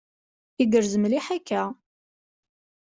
Igerrez mliḥ akya.